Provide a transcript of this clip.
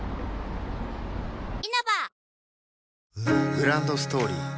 グランドストーリー